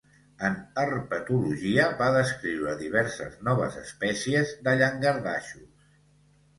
En herpetologia va descriure diverses noves espècies de llangardaixos.